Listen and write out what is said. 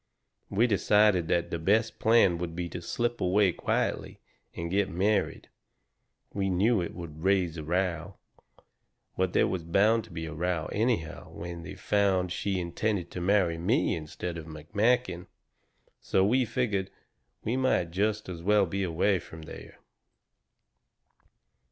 "We decided the best plan would be to slip away quietly and get married. We knew it would raise a row. But there was bound to be a row anyhow when they found she intended to marry me instead of McMakin. So we figured we might just as well be away from there.